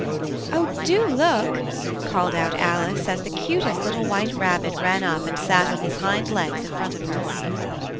"Oh, do look!" called out Alice as the cutest little white rabbit ran up and sat on his hind legs in front of her.